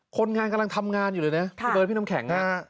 คนงานกำลังทำงานอยู่เลยนะพี่เบิร์ดพี่น้ำแข็ง